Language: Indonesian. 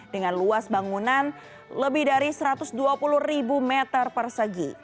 dengan luas bangunan lebih dari satu ratus dua puluh ribu meter persegi